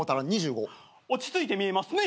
落ち着いて見えますね。